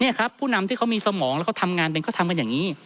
นี่ครับผู้นำที่เขามีสมองแล้วเขาทำงานเป็นเขาทำกันอย่างนี้